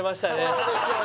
そうですよね